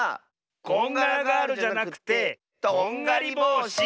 こんがらガールじゃなくてどんがりぼうし！